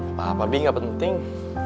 gapapa bi gak penting